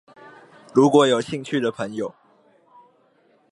如果有興趣的朋友